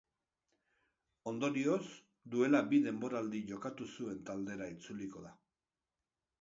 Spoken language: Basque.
Ondorioz, duela bi denboraldi jokatu zuen taldera itzuliko da.